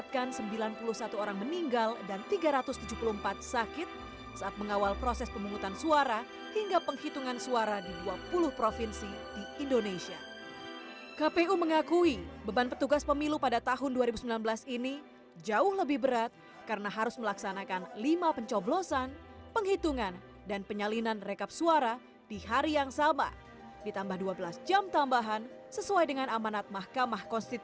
ketua tps sembilan desa gondorio ini diduga meninggal akibat penghitungan suara selama dua hari lamanya